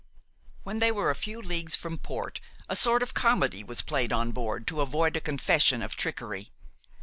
When they were a few leagues from port, a sort of comedy was played on board to avoid a confession of trickery.